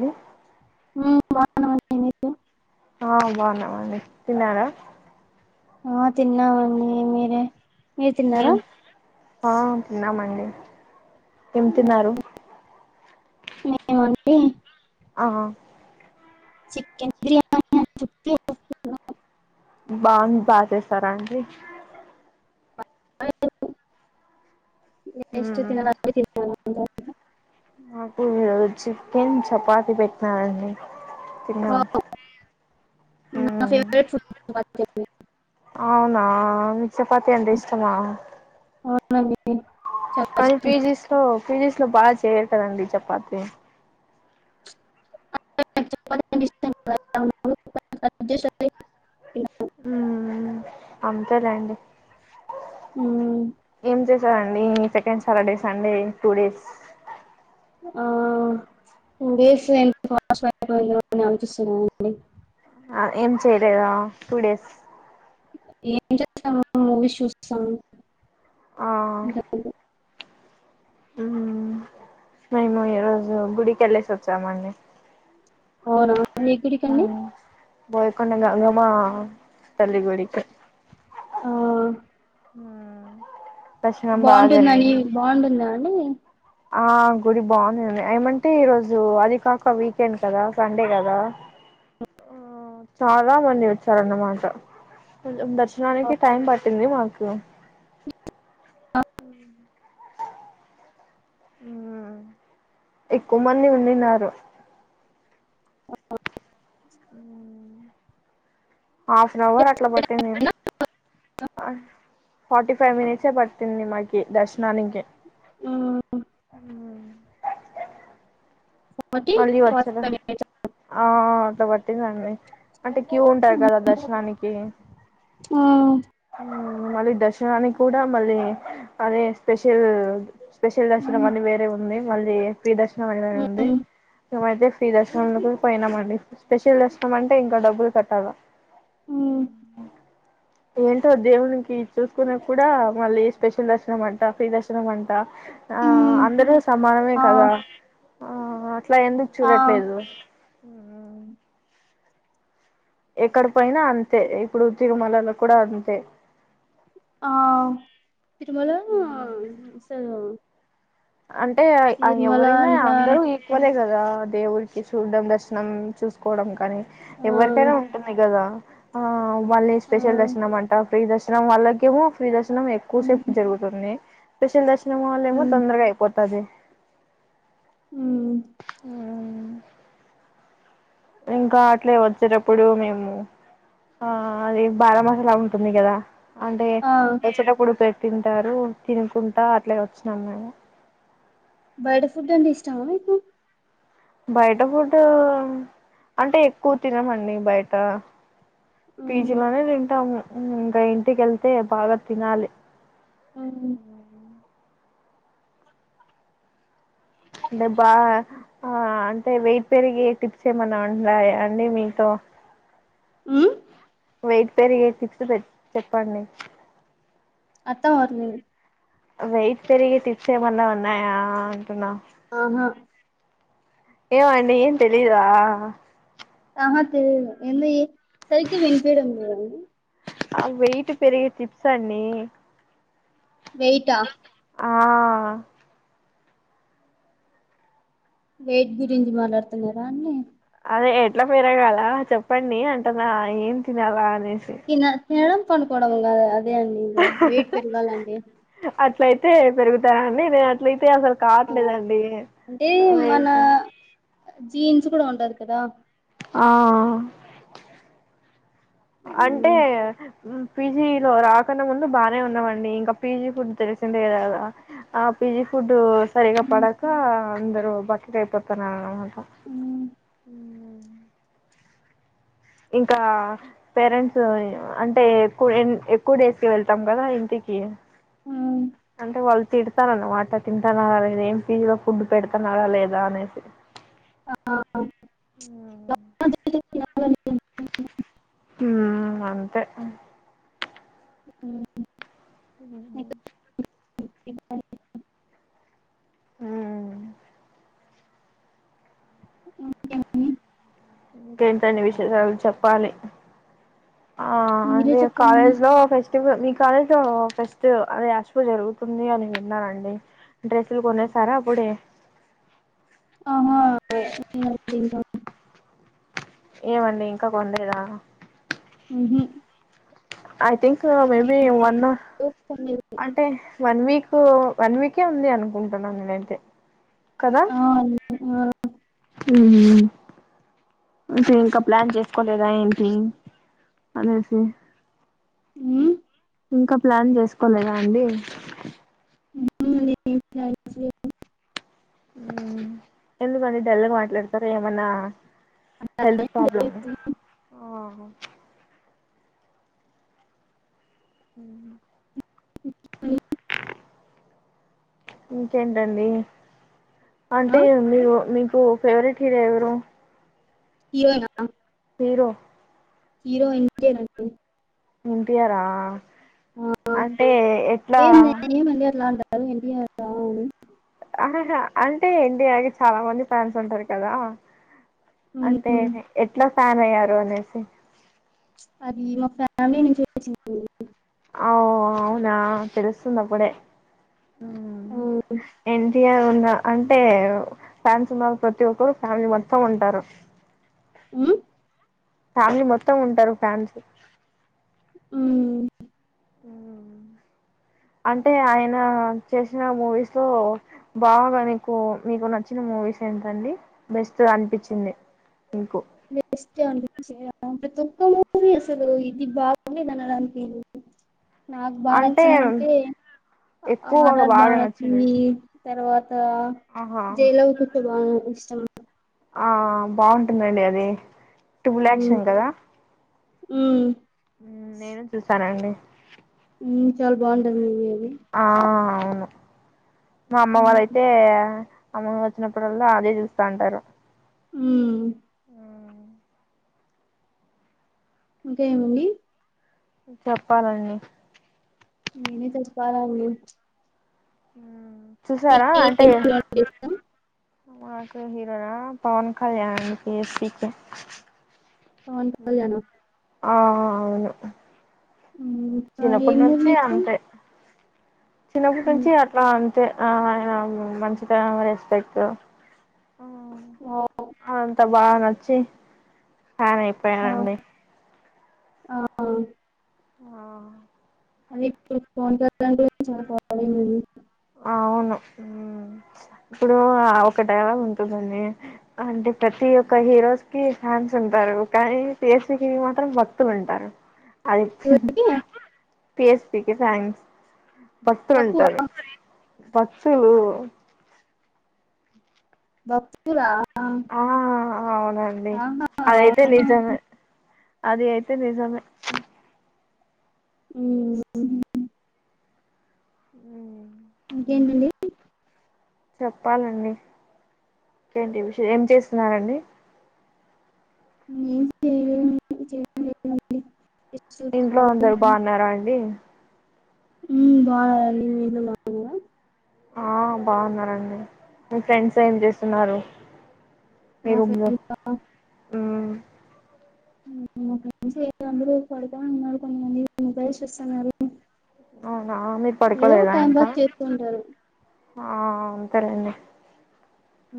అ వా ఆ బాగున్నా బాగున్నా తిన్నార ఆ తిన్నామండి మీరే మీరు తిన్నారా తిన్నమండడి ఎం తన్నారుారు ఏముండి ఆ చికెన్ బిర్యానీ బాగుంది బాగా చేసార అండి బాగాలేదు వేస్ట్ తినాలి అంటే తినాలి అంతే మాకు చికెన్ చపాతి పెట్టినారండి తిన్నాం వావ్ నా ఉమ్ ఫేవరేట్ ఫుడ్ [unintelligible] అవునా మీకు చపాతి అంటె ఇష్టమా [inaudible] కానీ ఇష్టం పీజీస్ లో పీజీస్ లో బాగా చేయరు కదండి చపాతి [inaudible] హ్మ్ అంతేలేండి మ్మ్ ఏం చేస్తూ అండి second Saturday Sunday two days ఆ [inaudible] ఆలోచిస్తున్నానండి ఏం చేయలేదా టూ డేస్ ఏం చేస్తాము మూవీస్ చూస ఆ మేము ఈరోజు గుడికెళ్ళేసి వచ్చామండి అవునా ఏ గుడికండి బోయికండ గంగమ్మ పల్లి గుడికి ఆ దర్శనం బాగా బాగుంటుందని జరిగింది బాగుంటుందా అండి ఆ గుడి బాగుంది ఏమంటే ఈ రోజు అది కాక వీకెండ్ కదా సండే కదా చాలా మంది వచ్చారు అన్న మాట ఆ దర్శనానికి టైం పట్టింది మాకు ఎక్కువ మంది ఉండిన్నారు హ్మ హాఫ్ అన్ అవర్ అట్లా పట్టింది ఆ ఫార్టీ ఫైవ్ మనిట్సే పట్టింది మాకి దర్శనానికి హామ్ మళ్ళీ వచ్చారా [inaudible] ఆ అ అంత పట్టిందండి అంటే క్యూ ఉంటారు కదా దర్శనానికి ఆ మళ్ళీ దర్శనానికి కూడా మళ్ళీ అదే స్పెషల్ స్పెషల్ దర్శనం అని వేరే ఉంది మళ్ళీ ఫ్రీ దర్శనం అనీ ఉంది మమైతే ఫ్రీ దర్శనంలోకి పోయినామండి స్పెషల్ దర్శనం అంటే ఇంకా డబ్బులు కట్టాలా ఉ ఏంటో దేవునికి చూసుకున్నా కూడా మళ్ళీ స్పెషల్ దర్శనం అంట ఫ్రీ దర్శనం అంట ఆ అందరూ సమానమే కదా ఇట్లా ఎందుకు చూడట్లేదు ఎక్కడ పోయిన అంతే ఇప్పుడు తిరుమలాలో కూడా అంతే ఆ తిరుమలలో అంటే ఎవరైనా అంతా అందరూ ఈక్వలే కదా దేవుడికి చూడ్డం దర్శనం చూసుకోవడం కానీ ఆ, ఎవరికైనా ఉంటుంది కదా ఆ మళ్ళీ ఆ, స్పెషల్ దర్శనం అంట ఫ్రీ దర్శనం వాళ్ళకేమో ఫ్రీ దర్శనం ఎక్కువ ఉమ్, సేపు జరుగుతుంది స్పెషల్ దర్శనం వాళ్ళు ఏమో ఉమ్, తొందరగా అవుతాది హ్మ్ హ్మ్ ఇంకా అట్లే వచ్చేటప్పుడు మేము ఆ అది బారా మసాలా ఉంటుంది కదా అంటే ఆ, వచ్చేటప్పుడు తింటారు తినుకుంటా అట్లే వచ్చినాం మేము బయట ఫుడ్ అంటే ఇష్టమా మీకు బయట ఫుడ్ అంటే ఎక్కువ తినమండి బయట ఉమ్, పీజీలోనే తింటాము ఇంకా ఇంటికి వెళ్తే బాగా తినాలి ఉమ్, ఉ అంటే బా అంటే వెయిట్ పెరిగే టిప్స్ ఏమన్నా ఉంటాయా అండి మీతో మ్మ్ వెయిట్ పెరిగే టిప్స్ పె చెప్పండి అత్తా వర్ వెయిట్ పెరిగే టిప్స్ ఏమనా ఉన్నాయయా అంటునా ఆహా ఏం అండీ ఏం తెలీదు అహ తె ఎ సరికి వినిపేడంద అ వెయయిట్ పెరిగ చిప్స అన్ని వెయిట్ ఆ ఆహా వెయిట్ గురించి మాట్లాడుతున్నారా అండి అదే ఎట్లా పెరగాల చెప్పండి అంటన్నా ఏం తినాలా అనేసి నిలం పడుకోడవంగా అదే అండి ఇం వెయిట్ పెరిగాళ అండి అట్ల అయితే పెరుగుతానండి నేను అట్లయితే అతే అసలు ఆ కావట్లేదండి అంటే లే డ ఉండదుకుదా ఆ అంటే మ్మ్ పీజీలో రాకుడా ముందు బానే ఉన్నావండి ఇంకా పీజీ ఫుడ్ తెలిసి ఆ పిజ ఫుడ్ సరిగా పడక అందరు బకకి అయిపోతన అన్నమాట మ్మ్ ఇంకా పేరెంట్స్ అంటే ఎక్కు ఎక్కువ డేస్ కి వెళ్తాం కదా ఇంటికి మ్మ్ అంటే వల్ తిడతననిడి వాటర్ తింటన్నారా లేదా ఏం ఫీజ లో ఫుడ్ పెడతున్నారా లేదా అనేసి ఆ తినాలని. హ అంతే ఉ ఉ చెప్పండి. హ [unintelligible] ఇంకేంటండి విశేషాలు చెప్పాలి ఆ మీరే అదే చెప్పాలండి కాలేజ్ లో ఫెస్టివల్ మీకు కాలేజ్ ఫెస్టివ అదే యాక్స్పో జరుగుతుంది అని విన్నాండి డ్రెస్సులు కొనేసరా అప్పుడే ఆహా ఏ ఏమండి ఇంకా కొండేదా ఉహు ఐ థింక్ మేబి వన్ అంటే వన్ వీక్ వన్ వీకే ఉంది అనుకుంటున్నాను నేనైతే ఆవు [unintelligible] ఉ ఇంకా ప్లాన్ చేసుకోలేదా ఏంటి అనేసి ఉ ఇంకా ప్లాన్ చేసుకోలేదా అండి [inaudible] ఎందుకండి డెల్లగా మాట్లాడతారు ఏమన్నా హెల్త్ ప్రాబ్లమ్ మ్ [unintelligible] ఇంకేంటండి అంటే మీరు మీ కు ఫేవరెట్ హరో ఎవరు హీరో నా హీరో హీరో ఎన్ టీ ఆ రండి ఎన్ టి యారా ఆ ఏ ఏమని అట్లా అంటారు ఎన్ టీ ఆర్ ఆ అని అహ హ అంటే ఎన్టీఆకి చాలా మంది ఫ్యాన్స్ ఉంటారు కదా అంటే ఎట్ల ఫ్యాన్ అయ్యారు అనేసి అది మా ఫ్యామిలీ నుంచి వచ్చిందండి ఆవ్ అవునా తెలుస్తుంది అప్పుడే మ్ ఉన్న అంటే ఫ్యాన్స్ ఉన్నారు ప్రతి ఒక్కరు ఫ్యామిలీ మొత్తం ఉంటారు మ్ ఫ్యామిలీ మొత్తం ఉంటరు ఫ్యాన్స్ మ్ మ్ అంటే ఆయన చేసిన మూవీస్ లో బాగా నీకు మీకు నచ్చిన మూవీస్ ఏంటండి బెస్ట్ అనిపిచింది మీకు బెస్ట్ [unintelligible] ప్రతొక్క మూవీ అసలు ఇది బాగుందిడానికి నాక్ బా అంటే నచ్చిందింటే ఎక్కువగా ఆర్ఆర్ బా బాగా నచ్చింది తర్వాతా ఆహా జైలవకుశ బాగా ఇష్టం ఆ బాఉంటుందండి అది ట్రిబుల్ ఆక్షన్ కదా ఉం మ్ నేను చూసానండి మ్ చాలా బాఉంటది మూవీ అది ఆ అవును మా అమ్మ ఉమ్, వాళ్ళయితే ఆమూవి ఒచ్చినప్పుడల్లా అదే చూస్తా అంటారు మ్ ఉం ఇంకా ఏమండి చెప్పాలండి నేనే చెప్పాలా అండి చూసారా అంటే అంటే ఇష్టం మాకు హీరోనా పవన్ కళ్యాణ పియెస్ పీకె పవన్ కళ్యాణా ఆ అవును ఇంకా చిన్నప్పటి ఏం నుంచి మూవీస్ అంతే చిన్నప్పటి నుంచి అట్లా అంతే ఆ ఆయన మంచిగా రెస్పెక్ట్ ఓ బా నచ్చి ఫ్యాన్ అయిపోయానండి ఆ ఆ అది ఇప్పుడు ఫోన్ పే [unintelligible] ఆవును మ్ ఇప్పుడు ఒక డైలాగ్ ఉంటుందండి అంటే ప్రతి ఒక్క హీరోస్ కి ఫ్యాన్ న్స్ ఉంటారు కానీ పీఎస్ పీకే కి మాత్రం భక్తులు ఉంటారు అది ఇవైతే పీఎస్ పీకే ఫ్యాన్స్ భక్తులు తక్కువ ఉంటారు పతు బక్రా ఆ అవునండి అదైతే ఆహా నిజం అది అయితే నిజమే అ ఉ ఏండి చెప్పాలండికేంటి విష ఏం చేస్తున్నండి నను ఇంట్లో అందరు బాగున్నారా అండి బాగా ఏందు ఆ బాగున్నానండి మీ ఫ్రెండ్స్ ఏం చేస్తున్నారు మా మీరుంలో ఫ్రెండ్స్ ఒక మ అందరూ పడుకొని ఉన్నారు కొంతమందిసిూస్తున్నారు అవునా మీరు పడుకోలేదా ఇంకా చేస్తూ ఉంటారు ఆ అంతేలేండి హ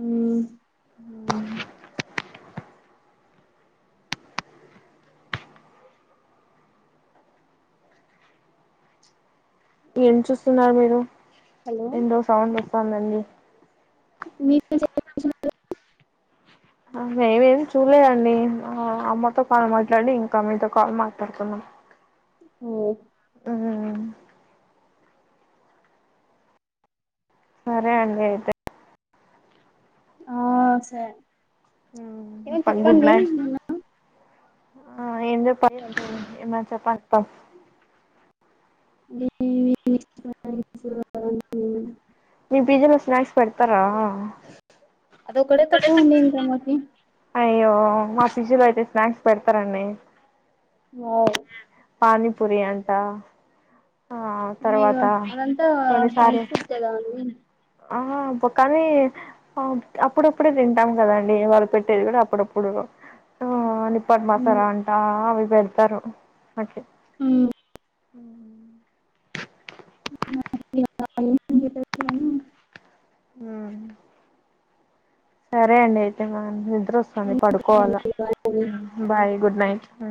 ఎం చూస్తున్నారు మీరు హలో ఎండో సౌండ్ వస్తుందండి మీకు చె మేమేమి చూలేదండి ఆ అమ్మతో కాలు మాట్లాడి ఇంకా మీతో కాళ మాట్లాడుతున్నాం ఓ అ సరే అండి అయితే ఆ సరే ఏమనా చెప్పండి మొన్న ఆ ఎందు ప ఏ చెప్పప్ప అ మీ పిజ లో స్నాక్స్ పెడతారా అదో కడ తకువ నన్ గమ్ మకి అయ్యో మా ఫిజి లో అయితే స్నాక్స్ పెడతారండి వు పనీపూరి అంటా ఉ మ అదంతా కొన్నిసార్లు జంక్ ఫుడ్ కదా అ ఆ కానీ అప్పుడప్పుడే తింటాం కదండి వాళ్ళు పెట్టేది కూడా అప్పుడప్పుడు నిప్పటి ఉమ్, మాసారా అంట అవి పెడతారు మకి ఆ ఉ ఇంకా ఏం పెట్టచ్చు అని, ఆ సరే అండి అయితే మా వస్తుంది ఉమ్, సరే పడుకోవాలా అండి, అండి. బాయ్ గుడ్ నైట్ అ